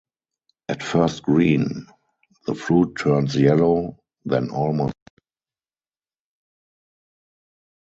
At first green, the fruit turns yellow then almost white as it ripens.